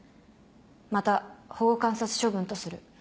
また保護観察処分とする。